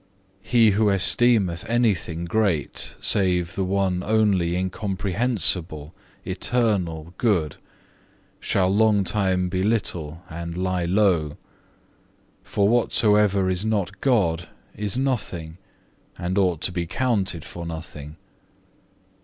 He who esteemeth anything great save the one only incomprehensible, eternal, good, shall long time be little and lie low. For whatsoever is not God is nothing, and ought to be counted for nothing.